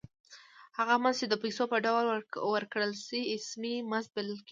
هغه مزد چې د پیسو په ډول ورکړل شي اسمي مزد بلل کېږي